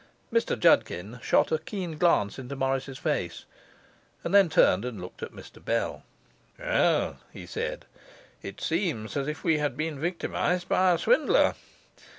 Mr Judkin shot a keen glance into Morris's face; and then turned and looked at Mr Bell. 'Well,' he said, 'it seems as if we had been victimized by a swindler.